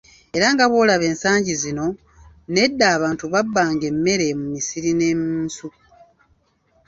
"Era nga bw’olaba ensangi zino, n’edda abantu babbanga emmere mu misiri ne mu nsuku."